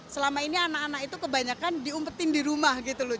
selama ini anak anak itu kebanyakan diumpetin di rumah gitu loh